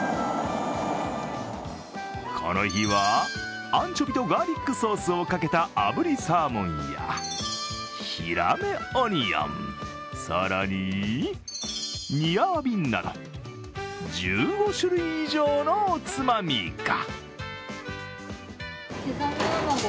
この日は、アンチョビとガーリックソースをかけたあぶりサーモンや、ヒラメオニオン更に、煮アワビなど、１５種類以上のおつまみが。